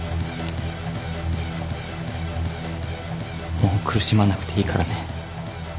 もう苦しまなくていいからね。